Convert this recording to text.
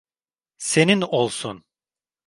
Senin olsun.